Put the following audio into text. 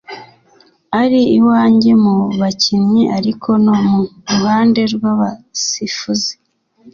ari iwanjye mu bakinnyi ariko no mu ruhande rw’abasifuzi